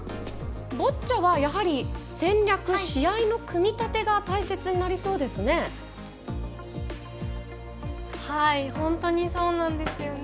ボッチャはやはり戦略、試合の組み立てが大切になりそうですね。